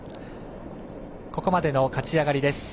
ここまでの勝ち上がりです。